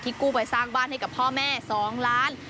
กู้ไปสร้างบ้านให้กับพ่อแม่๒ล้าน